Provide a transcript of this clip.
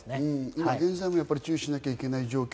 今現在も注意しなければいけない状況。